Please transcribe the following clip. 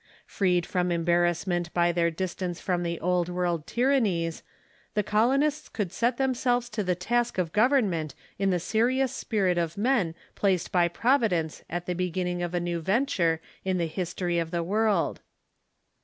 Freed from embarrassment by their distance from the Old World tyrannies, the colonists could set themselves to the task of government in the serious spirit of men placed by Providence at the beginning of a new venture in the history of the world.